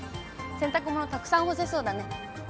洗濯物、たくさん干せそうだね。